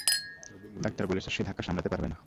Doctor বলেছে সে ধাক্কা সামলাতে পারবে না।